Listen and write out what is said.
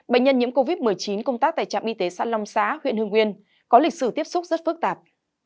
bệnh nhân nhiễm covid một mươi chín công tác tại trạm y tế xã long xá huyện hương nguyên có lịch sử tiếp xúc rất phức tạp